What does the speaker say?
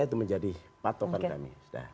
itu menjadi patokan kami